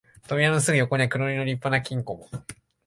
扉のすぐ横には黒塗りの立派な金庫も、